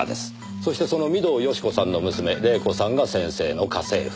そしてその御堂好子さんの娘黎子さんが先生の家政婦に。